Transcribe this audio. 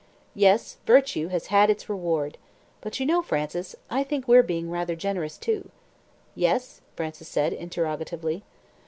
"Yes, virtue has had its reward. But you know, Frances, I think we're being rather generous too." "Yes?" Frances said interrogatively.